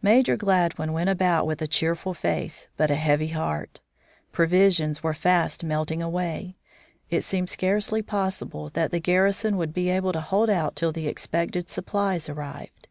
Major Gladwin went about with a cheerful face, but a heavy heart. Provisions were fast melting away. It seemed scarcely possible that the garrison would be able to hold out till the expected supplies arrived.